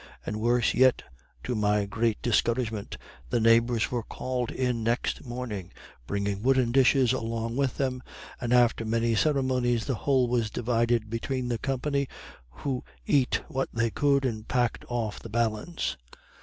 And worse yet to my great discouragement, the neighbors were called in next morning, bringing wooden dishes along with them, and after many ceremonies, the whole was divided between the company, who eat what they could and packed off the balance.